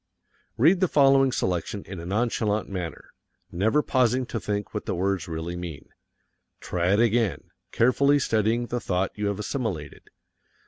Read the following selection in a nonchalant manner, never pausing to think what the words really mean. Try it again, carefully studying the thought you have assimilated.